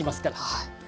はい。